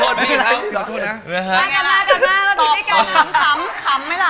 แล้วพี่ได้กล้ามคำคำไหมล่ะ